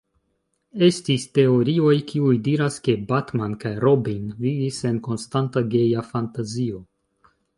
Estis teorioj kiuj diras ke Batman kaj Robin vivis en konstanta geja fantazio.